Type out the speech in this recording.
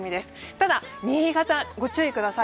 ただ新潟、ご注意ください。